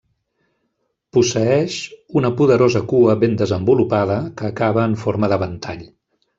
Posseeix una poderosa cua ben desenvolupada que acaba en forma de ventall.